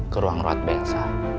ke ruang ruat bengsa